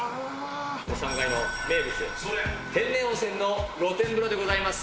３階の名物、天然温泉の露天風呂でございます。